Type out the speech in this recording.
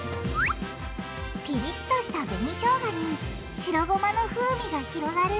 ピリッとした紅しょうがに白ごまの風味が広がる